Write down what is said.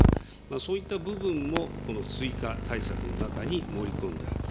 そういった部分もこの追加対策の中に盛り込んだ。